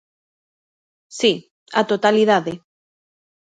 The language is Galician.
Si, a totalidade.